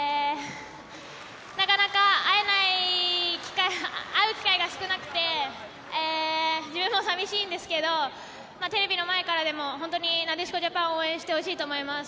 なかなか会う機会が少なくて自分も寂しいんですけどテレビの前からでもなでしこジャパンを応援してほしいと思います。